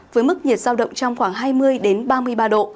với mức nhiệt giao động trong khoảng hai mươi ba mươi ba độ